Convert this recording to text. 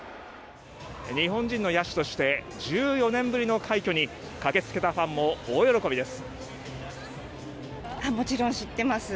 日本人の野手として１４年ぶりの快挙に駆けつけたファンも大喜びです。